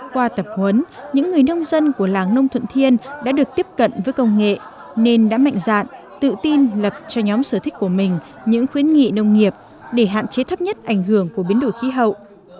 qua tập huấn những người nông dân của làng nông thuận thiên đã được tiếp cận với công nghệ nên đã mạnh dạn tự tin lập cho nhóm sở thích của mình những khuyến nghị nông nghiệp để hạn chế thấp nhất ảnh hưởng của biến đổi khí hậu